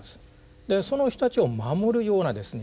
でその人たちを守るようなですね